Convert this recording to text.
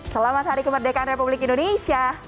selamat hari kemerdekaan republik indonesia